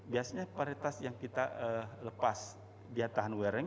biasanya varietas yang kita lepas biar tahan wearing